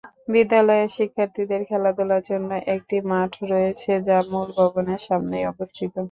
বিদ্যালয়ের শিক্ষার্থীদের খেলাধুলার জন্য একটি মাঠ রয়েছে, যা মূল ভবনের সামনেই অবস্থিত।